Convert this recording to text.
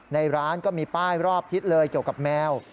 ในร้านก็มีป้ายรอบทิศเลยเกี่ยวกับแมว